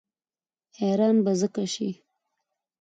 حیران به ځکه شي.